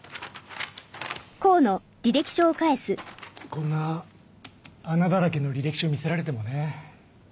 こんな穴だらけの履歴書見せられてもね。